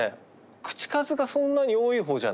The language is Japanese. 口数がそんなに多いほうじゃない。